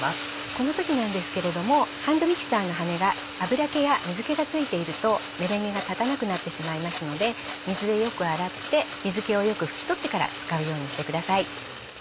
この時なんですけれどもハンドミキサーのはねは油気や水気が付いているとメレンゲが立たなくなってしまいますので水でよく洗って水気をよく拭き取ってから使うようにしてください。